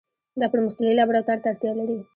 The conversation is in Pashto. دا پرمختللي لابراتوار ته اړتیا لري.